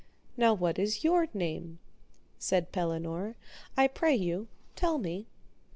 Now, what is your name? said Pellinore, I pray you tell me.